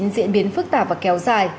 diễn biến phức tạp và kéo dài